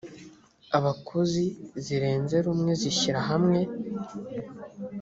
abakozi zirenze rumwe zishyira hamwe